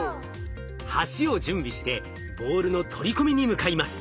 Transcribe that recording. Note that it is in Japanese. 橋を準備してボールの取り込みに向かいます。